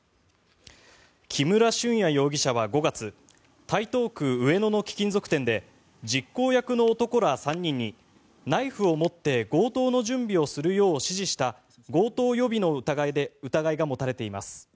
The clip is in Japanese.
木村俊哉容疑者は５月台東区上野の貴金属店で実行役の男ら３人にナイフを持って強盗の準備をするよう指示した強盗予備の疑いが持たれています。